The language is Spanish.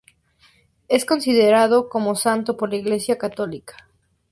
Es considerado como santo por la Iglesia católico.